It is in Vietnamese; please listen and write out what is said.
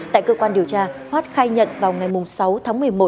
tại cơ quan điều tra hoát khai nhận vào ngày sáu tháng một mươi một